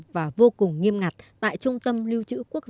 và vô cùng nghiêm ngặt tại trung tâm lưu trữ quốc gia